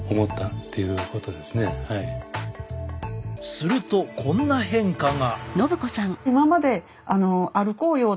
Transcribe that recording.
するとこんな変化が。